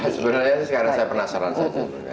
sebenarnya sekarang saya penasaran saja